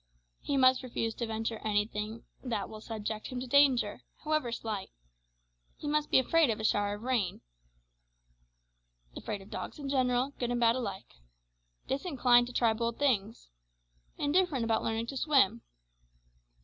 He must refuse to venture anything that will subject him to danger, however slight. He must be afraid of a shower of rain; afraid of dogs in general, good and bad alike; disinclined to try bold things; indifferent about learning to swim.